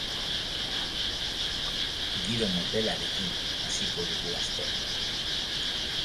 Giro motelarekin hasiko dugu astea.